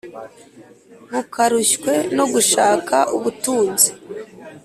ntukarushywe no gushaka ubutunzi